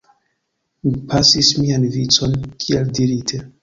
Mi pasis mian vicon, kiel dirite.